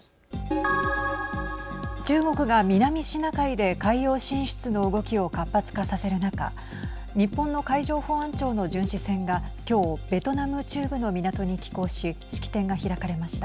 中国が南シナ海で海洋進出の動きを活発化させる中日本の海上保安庁の巡視船が今日、ベトナム中部の港に寄港し式典が開かれました。